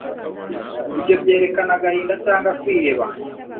ibyo byerekana agahinda cyangwa kwiheba